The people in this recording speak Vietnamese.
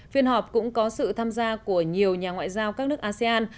phiên họp cũng có sự tham gia của nhiều nhà ngoại giao các nước asean